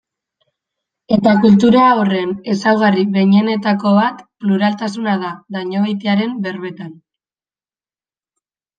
Eta kultura horren ezaugarri behinenetako bat pluraltasuna da, Dañobeitiaren berbetan.